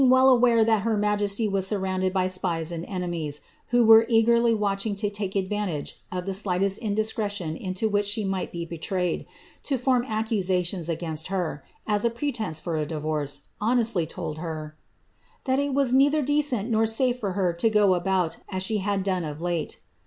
well aware that her majesty was surrounded by spies and enemk were eagerly watchin^^ to take adi antage of the slightest indii into which she might be betrayed, to form accusations against h pretence for a divorce, honestly told her, that it was neither nor safe for her to go about as she had done of late.''